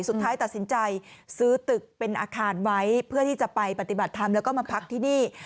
สุดท้ายตัดสินใจซื้อตึกเป็นอาคารไว้เพื่อที่จะไปปฏิบัติธรรมแล้วก็มาพักที่นี่